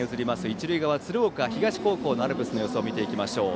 一塁側、鶴岡東高校のアルプスの様子見ていきましょう。